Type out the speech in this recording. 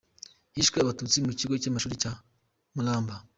Hishwe Abatutsi mu kigo cy’amashuri cya Muramba.